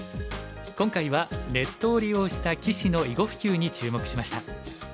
今回はネットを利用した棋士の囲碁普及に注目しました。